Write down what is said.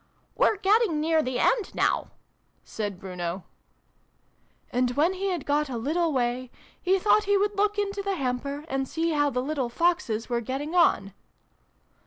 ("We're getting near the end now," said Bruno.) " And, when he had got a little way, he thought he would look into the hamper, and see how the little Foxes were getting on."